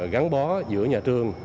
gắn bó giữa nhà trường